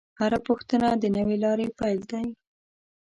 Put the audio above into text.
هره پوښتنه د نوې لارې پیل دی.